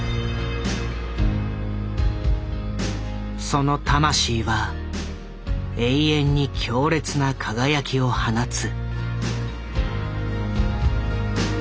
その魂は永遠に強烈な輝きを放つ。